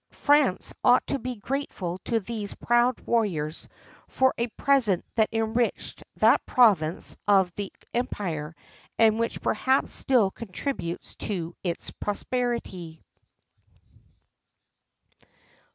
France ought to be grateful to those proud warriors for a present that enriched that province of the empire, and which perhaps still contributes to its prosperity.